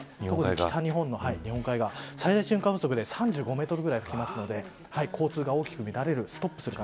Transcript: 特に、北日本の日本海側最大風速で３５メートルぐらい吹きますんで交通が大きく乱れる。